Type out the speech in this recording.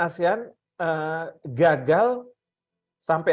indonesia selain nya juga ada di bunda lainnya ibu